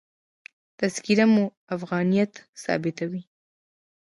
تذکره مو افغانیت ثابتوي.